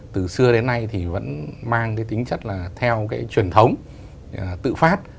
từ xưa đến nay thì vẫn mang cái tính chất là theo cái truyền thống tự phát